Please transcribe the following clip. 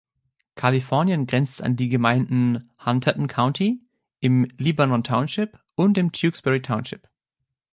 Kalifornien grenzt an die Gemeinden Hunterdon County im Libanon Township und den Tewksbury Township.